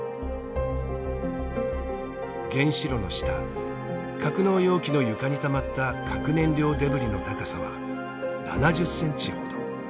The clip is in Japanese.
原子炉の下格納容器の床にたまった核燃料デブリの高さは７０センチほど。